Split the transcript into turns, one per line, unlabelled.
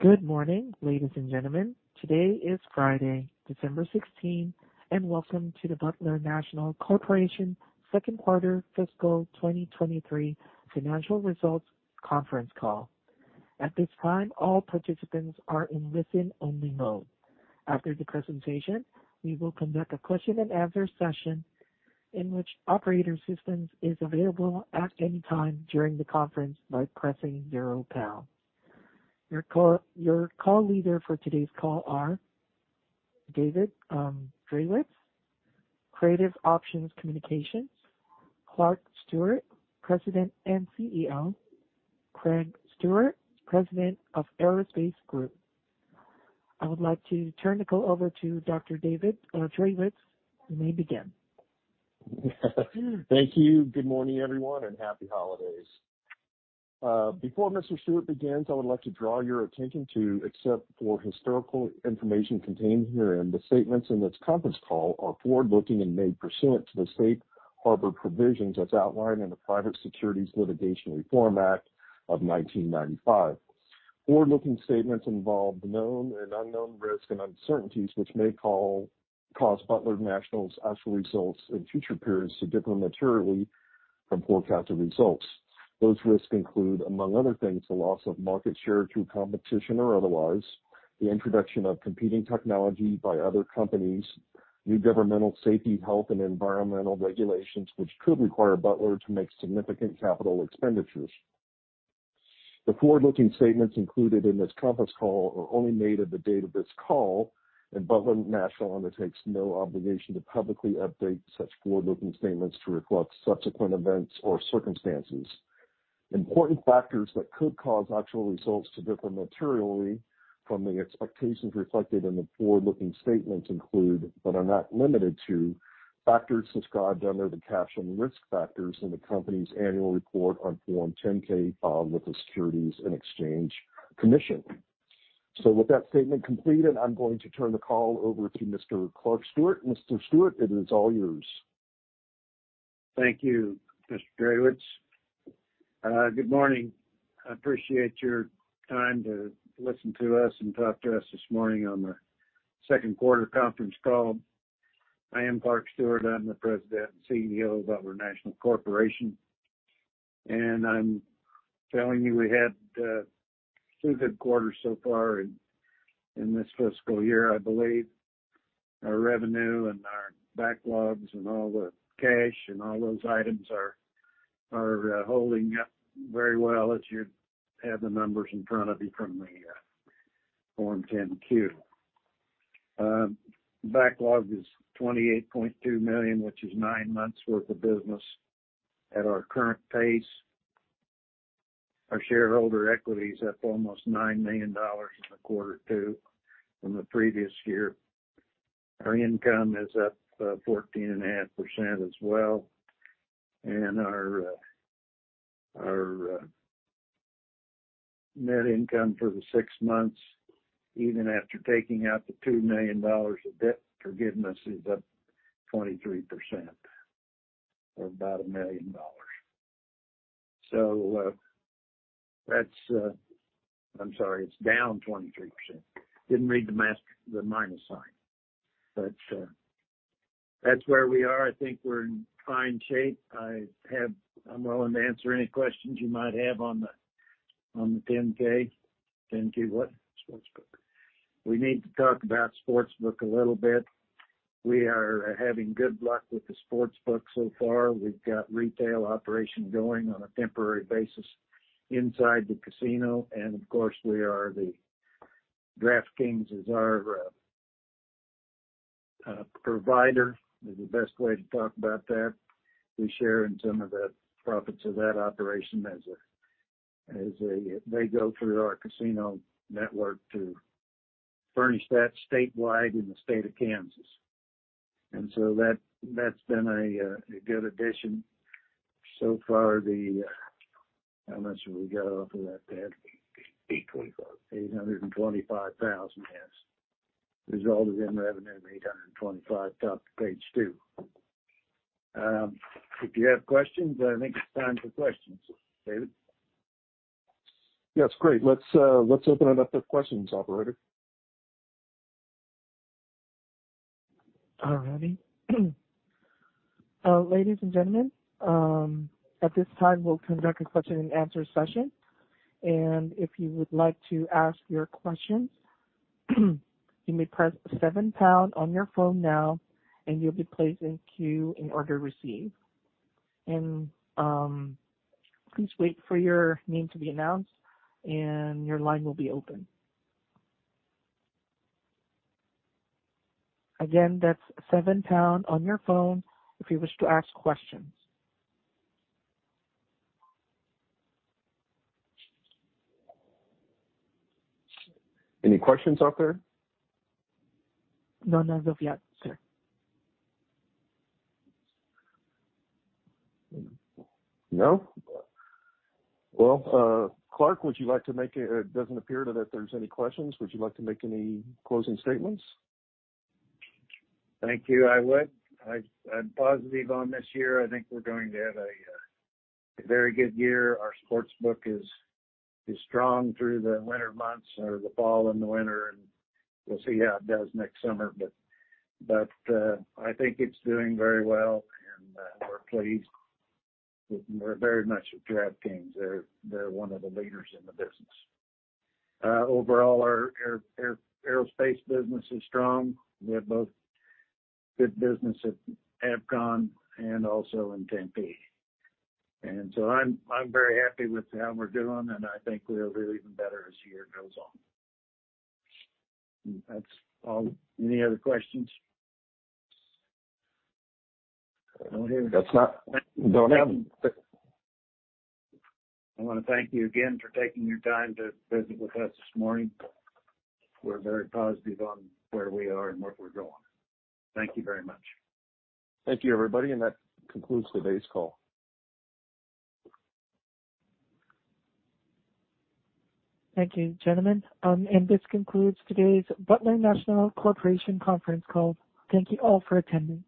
Good morning, ladies and gentlemen. Today is Friday, December sixteenth, and welcome to the Butler National Corporation second quarter fiscal 2023 financial results conference call. At this time, all participants are in listen-only mode. After the presentation, we will conduct a question and answer session in which operator assistance is available at any time during the conference by pressing zero pound. Your call leader for today's call are David Drewitz, Creative Options Communications, Clark Stewart, President and CEO, Craig Stewart, President of Aerospace Group. I would like to turn the call over to David Drewitz. You may begin.
Thank you. Good morning, everyone, and happy holidays. Before Mr. Stewart begins, I would like to draw your attention to accept for historical information contained herein, the statements in this conference call are forward-looking and made pursuant to the Safe Harbor provisions as outlined in the Private Securities Litigation Reform Act of 1995. Forward-looking statements involve the known and unknown risks and uncertainties, which may cause Butler National's actual results in future periods to differ materially from forecasted results. Those risks include, among other things, the loss of market share through competition or otherwise, the introduction of competing technology by other companies, new governmental safety, health, and environmental regulations, which could require Butler to make significant capital expenditures. The forward-looking statements included in this conference call are only made at the date of this call. Butler National undertakes no obligation to publicly update such forward-looking statements to reflect subsequent events or circumstances. Important factors that could cause actual results to differ materially from the expectations reflected in the forward-looking statements include, but are not limited to, factors described under the Cash and Risk factors in the company's annual report on Form 10-K, filed with the Securities and Exchange Commission. With that statement completed, I'm going to turn the call over to Mr. Clark Stewart. Mr. Stewart, it is all yours.
Thank you, Mr. Drewitz. Good morning. I appreciate your time to listen to us and talk to us this morning on the second quarter conference call. I am Clark Stewart. I'm the President and CEO of Butler National Corporation. I'm telling you, we had two good quarters so far in this fiscal year. I believe our revenue and our backlogs and all the cash and all those items are holding up very well as you have the numbers in front of you from the Form 10-Q. Backlog is $28.2 million, which is nine months worth of business at our current pace. Our shareholder equity is up almost $9 million in the quarter two from the previous year. Our income is up 14.5% as well. Our net income for the six months, even after taking out the $2 million of debt forgiveness, is up 23% or about $1 million. I'm sorry, it's down 23%. Didn't read the minus sign. That's where we are. I think we're in fine shape. I'm willing to answer any questions you might have on the, on the Form 10-K. Form 10-Q, what?
Sportsbook.
We need to talk about sportsbook a little bit. We are having good luck with the sportsbook so far. We've got retail operation going on a temporary basis inside the casino. Of course, we are the DraftKings is our provider, is the best way to talk about that. We share in some of the profits of that operation. They go through our casino network to furnish that statewide in the state of Kansas. That, that's been a good addition so far. The how much have we got off of that, Ted?
$8.25.
$825,000, yes. Results in revenue of $825, top of page two. If you have questions, I think it's time for questions, David.
Yes, great. Let's open it up to questions, operator.
All righty. Ladies and gentlemen, at this time, we'll conduct a question and answer session. If you would like to ask your questions, you may press seven pound on your phone now, and you'll be placed in queue in order received. Please wait for your name to be announced and your line will be open. Again, that's seven pound on your phone if you wish to ask questions.
Any questions out there?
None as of yet, sir.
No? Well, Clark, it doesn't appear that there's any questions. Would you like to make any closing statements?
Thank you. I would. I'm positive on this year. I think we're going to have a very good year. Our sportsbook is strong through the winter months or the fall and the winter, and we'll see how it does next summer. I think it's doing very well. We're pleased. We're very much with DraftKings. They're one of the leaders in the business. Overall our aerospace business is strong. We have both good business at Avcon and also in Tempe. I'm very happy with how we're doing, and I think we'll do even better as the year goes on. That's all. Any other questions? Don't hear any.
Don't have any.
I wanna thank you again for taking your time to visit with us this morning. We're very positive on where we are and where we're going. Thank you very much.
Thank you, everybody. That concludes today's call.
Thank you, gentlemen. This concludes today's Butler National Corporation conference call. Thank you all for attending.